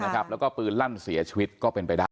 แล้วก็ปืนลั่นเสียชีวิตก็เป็นไปได้